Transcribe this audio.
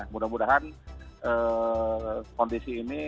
mudah mudahan kondisi ini